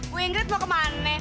bu ingrid mau kemana